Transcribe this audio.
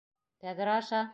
Тәҙрә аша?